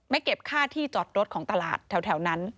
เก็บค่าที่จอดรถของตลาดแถวนั้น